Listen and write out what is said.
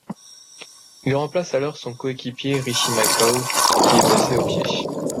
Il remplace alors son coéquipier Richie McCaw, qui est blessé au pied.